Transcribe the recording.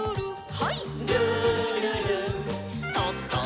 はい。